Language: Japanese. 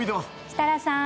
設楽さーん